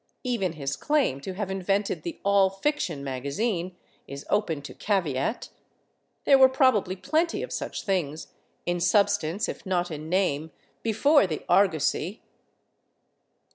Even his claim to have invented the all fiction magazine is open to caveat; there were probably plenty of such things, in substance if not in name, before the Argosy.